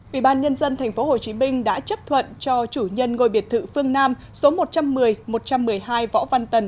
ủy ban nhân dân tp hcm đã chấp thuận cho chủ nhân ngôi biệt thự phương nam số một trăm một mươi một trăm một mươi hai võ văn tần